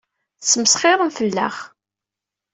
Tettmesxiṛem fell-aɣ.